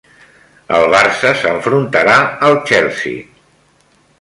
El Barça s'enfrontarà al Chelsea